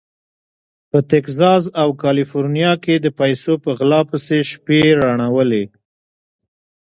په تګزاس او کالیفورنیا کې د پیسو په غلا پسې شپې روڼولې.